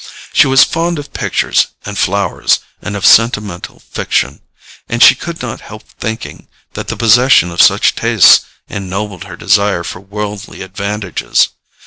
She was fond of pictures and flowers, and of sentimental fiction, and she could not help thinking that the possession of such tastes ennobled her desire for worldly advantages.